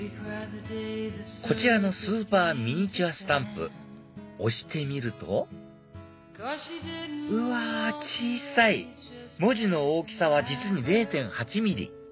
こちらのスーパーミニチュアスタンプ押してみるとうわ小さい文字の大きさは実に０．８ｍｍ